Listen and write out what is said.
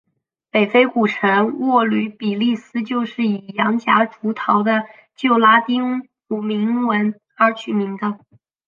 北非古城沃吕比利斯就是以洋夹竹桃的旧拉丁文名而取名的。